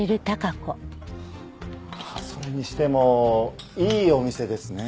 それにしてもいいお店ですね。